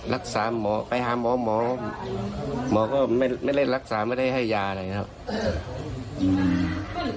รักษาหมอไปหาหมอหมอก็ไม่ได้เล่นรักษาไม่ได้ให้ยาอะไรครับ